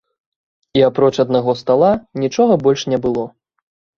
І апроч аднаго стала, нічога больш не было.